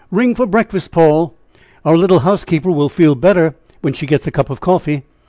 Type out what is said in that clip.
"Ring for breakfast, Paul! Our little housekeeper will feel better when she gets a cup of coffee."